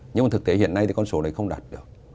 nhưng mà thực tế hiện nay thì con số đấy không đạt được